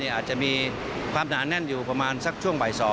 อาจจะมีความหนาแน่นอยู่ประมาณสักช่วงบ่าย๒